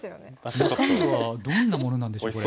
中身はどんなものなんでしょう。